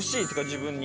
自分に。